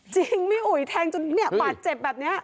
จริงพี่อุ๋ยแทงจนเนี่ยบาดเจ็บแบบนี้